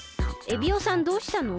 エビオさんどうしたの？